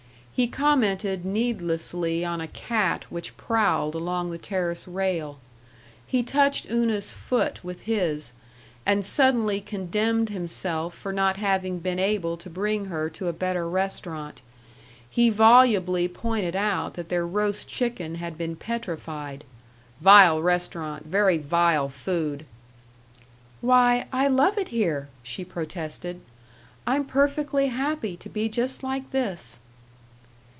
He commented needlessly on a cat which prowled along the terrace rail. He touched Una's foot with his, and suddenly condemned himself for not having been able to bring her to a better restaurant. He volubly pointed out that their roast chicken had been petrified "vile restaurant, very vile food." "Why, I love it here!" she protested. "I'm perfectly happy to be just like this."